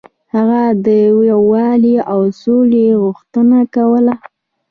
هغه د یووالي او سولې غوښتنه کوله.